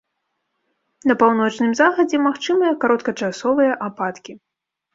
На паўночным захадзе магчымыя кароткачасовыя ападкі.